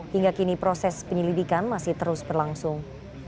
hingga kini proses penyelidikan masih terus berlangsung